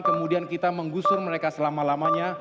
kemudian kita menggusur mereka selama lamanya